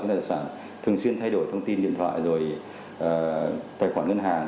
chính loại sản thường xuyên thay đổi thông tin điện thoại rồi tài khoản ngân hàng